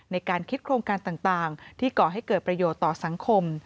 ในการคิดโครงการต่างที่ก่อให้เกิดประโยชน์ต่อสังคม